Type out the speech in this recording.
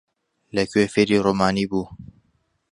لەکوێ فێری ڕۆمانی بوو؟